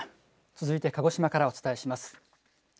続いて鹿児島からお伝えします。